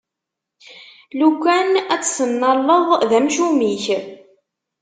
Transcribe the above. Lukan ad tt-tennaleḍ, d amcum-ik!